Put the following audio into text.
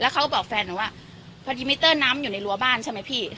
เขาก็บอกแฟนหนูว่าพอดีมิเตอร์น้ำอยู่ในรั้วบ้านใช่ไหมพี่